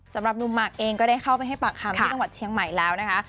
สำหรับหนุ่มหมากเองก็ได้เข้าไปให้ปากคำที่จังหวัดเชียงใหม่แล้วนะคะ